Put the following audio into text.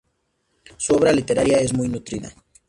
Su obra literaria es muy nutrida.